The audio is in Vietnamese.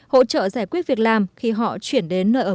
hỗ trợ giải quyết việc làm khi họ chuyển đến nơi ở